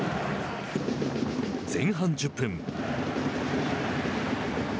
前半１０分。